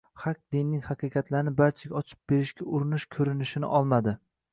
haq dinning haqiqatlarini barchaga ochib berishga urinish ko‘rinishini olmadi.